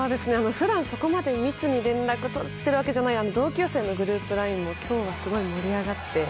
普段、そこまで密に連絡を取っているわけではない同級生のグループＬＩＮＥも今日はすごい盛り上がって。